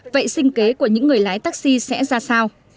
vậy sinh kế của những người lái taxi sẽ ra sao